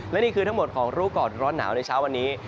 และนี่คือทั้งหมดของรู้ก่อนร้อนหนาวในเช้าวันนี้